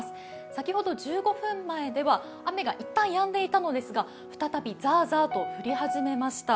先ほど１５分前では雨が一旦やんでいたのですが、再びざあざあと降り始めました。